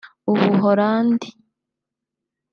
u Buholandi